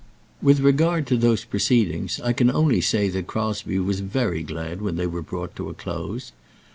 With regard to those proceedings I can only say that Crosbie was very glad when they were brought to a close.